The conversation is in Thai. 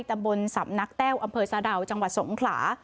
ตำบลสำนักแต้วอำเภอสะดาวจังหวัดสงขลา